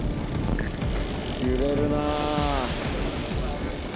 揺れるな。